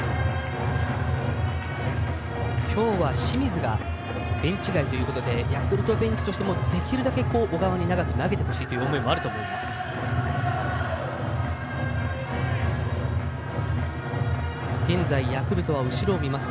きょうは清水がベンチ外ということでヤクルトベンチとしてもできるだけ小川に長く投げてほしいという思いもあると思います。